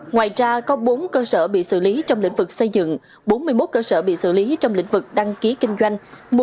ngoài ra có bốn cơ sở bị xử lý trong lĩnh vực xây dựng bốn mươi một cơ sở bị xử lý trong lĩnh vực đăng ký kinh doanh